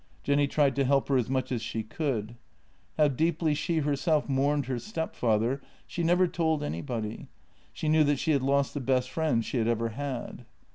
Jenny tried to help her as much as she could. How deeply she herself mourned her stepfather she never told anybody; she knew that she had lost the best friend she had ever had.